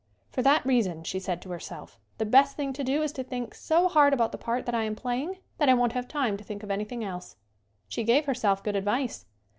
"For that reason," she said to herself, "the best thing to do is to think so hard about the part that I am playing that I won't have time to think of anything else." She gave herself good advice.